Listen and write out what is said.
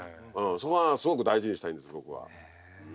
そこはすごく大事にしたいんです僕は。